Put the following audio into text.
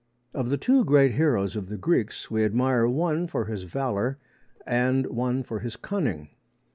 Of the two great heroes of the Greeks we admire one for his valour and one for his cunning.